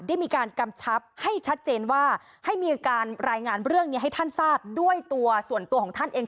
ได้มีการกำชับให้ชัดเจนว่าให้มีการรายงานเรื่องนี้ให้ท่านทราบด้วยตัวส่วนตัวของท่านเอง